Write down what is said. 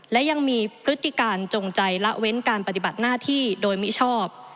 และยังมีพฤติการจงใจละเว้นการปฏิบัติหน้าที่โดยมิชอบ